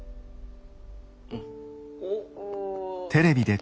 「うん」。